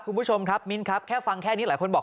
คุณผู้ชมครับมิ้นครับแค่ฟังแค่นี้หลายคนบอก